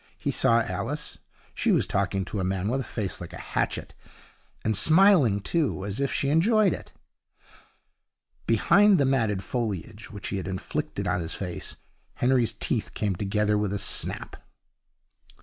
He saw Alice. She was talking to a man with a face like a hatchet, and smiling, too, as if she enjoyed it. Behind the matted foliage which he had inflicted on his face, Henry's teeth came together with a snap.